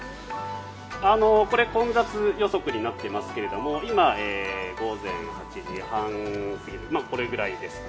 これ、混雑予測になっていますが今、午前８時半過ぎでこれくらいですね。